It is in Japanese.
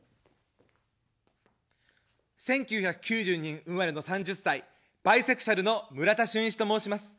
１９９２年生まれの３０歳のバイセクシャルの村田しゅんいちと申します。